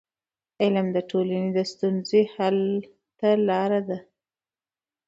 علم د ټولنې د ستونزو حل ته لار ده.